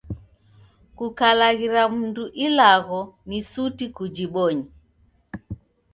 Kukalaghira mndu ilagho ni suti kujibonye.